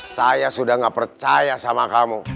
saya sudah gak percaya sama kamu